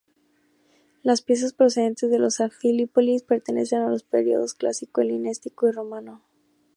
Las piezas procedentes de Anfípolis pertenecen a los periodos clásico, helenístico y romano.